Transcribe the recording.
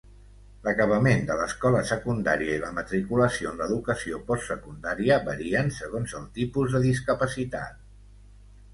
L'acabament de l'escola secundària i la matriculació en l'educació postsecundària varien segons el tipus de discapacitat.